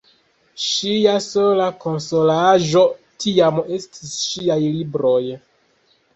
Ŝia sola konsolaĵo tiam estis ŝiaj libroj.